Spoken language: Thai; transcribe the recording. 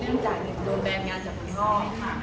เนี่ยอีกอย่างหนึ่งโดยแบบงานจากพ่อท่อ